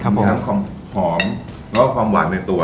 มีทั้งความหอมแล้วก็ความหวานในตัว